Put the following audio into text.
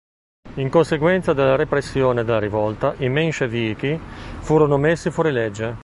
In conseguenza della repressione della rivolta, i menscevichi furono messi fuori legge.